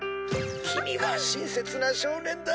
「キミは親切な少年だ！